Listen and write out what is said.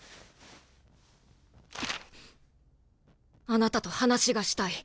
「あなたと話がしたい。